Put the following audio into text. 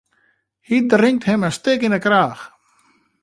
Hy drinkt him in stik yn 'e kraach.